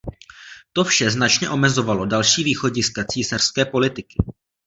To vše značně omezovalo další východiska císařské politiky.